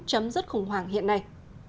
chấm dứt khủng hoảng hiện nay